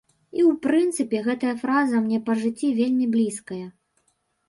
І ў прынцыпе, гэтая фраза мне па жыцці вельмі блізкая.